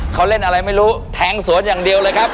เขาเล่นอะไรไม่รู้แทงสวนอย่างเดียวเลยครับ